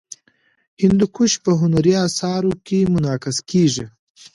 هندوکش په هنري اثارو کې منعکس کېږي.